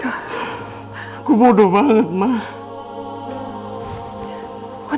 aku bodoh banget mama